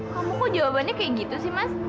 kamu kok jawabannya kayak gitu sih mas